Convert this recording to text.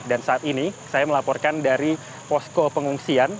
dan saat ini saya melaporkan dari posko pengungsian